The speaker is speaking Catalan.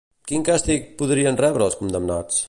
Quin càstig podrien rebre els condemnats?